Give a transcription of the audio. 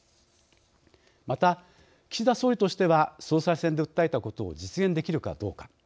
また岸田総理としては総裁選で訴えたことを実現できるかどうか。